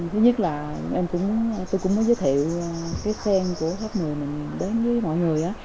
thứ nhất là em cũng tôi cũng mới giới thiệu cái khen của các người mình đến với mọi người